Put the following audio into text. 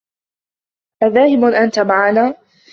أذاهب أنت معنا؟